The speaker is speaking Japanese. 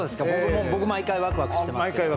僕毎回ワクワクしてますけど。